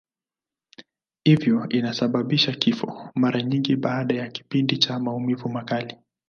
Hivyo inasababisha kifo, mara nyingi baada ya kipindi cha maumivu makali.